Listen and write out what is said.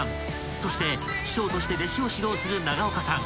［そして師匠として弟子を指導する永岡さん］